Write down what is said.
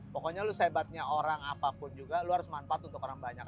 pokoknya lo hebatnya orang apapun juga lo harus manfaat untuk orang banyak